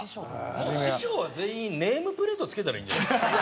もう師匠は全員ネームプレート付けたらいいんじゃないですか？